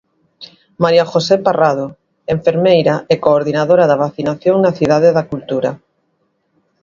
María José Parrado, enfermeira e coordinadora da vacinación na Cidade da Cultura.